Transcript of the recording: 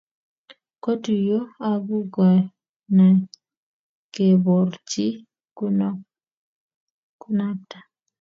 kotuyio akukany keborchi kunakta